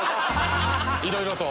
いろいろと？